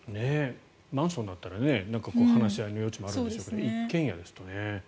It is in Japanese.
マンションだったら話し合いの余地もあるでしょうけど一軒家ですとね。